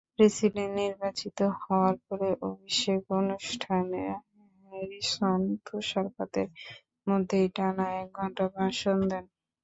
President নির্বাচিত হওয়ার পরে অভিষেক-অনুষ্ঠানে হ্যারিসন তুষারপাতের মধ্যেই টানা এক ঘণ্টা ভাষণ দেন।